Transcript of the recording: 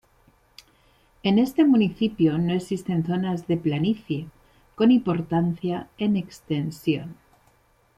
En este municipio no existen zonas de planicie con importancia en extensión.